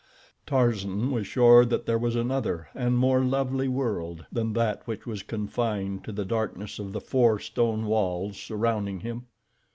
Tarzan was sure that there was another and more lovely world than that which was confined to the darkness of the four stone walls surrounding him.